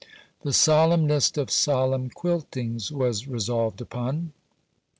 The solemnest of solemn quiltings was resolved upon.